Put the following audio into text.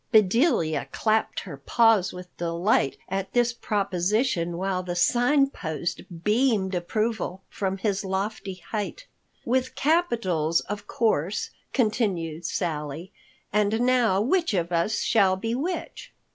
Bedelia clapped her paws with delight at this proposition, while the Sign Post beamed approval from his lofty height. "With capitals, of course," continued Sally. "And now which of us shall be which?"